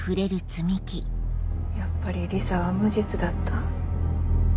やっぱりリサは無実だった。